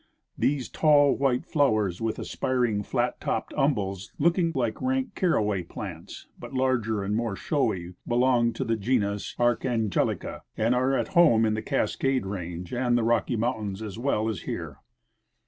These tall Avhite floAvers with aspiring, flat topped umbles, looking like rank caraAvay plants, but larger and more showy, belong to the genus Archan gelica, and are at home in the Cascade range and the Rocky Mountains as Avell as here.